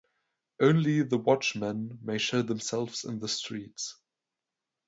Only the watchmen may show themselves in the streets.